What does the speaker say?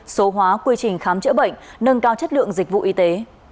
số hóa quy trình khám chữa bệnh nâng cao chất lượng dịch vụ y tế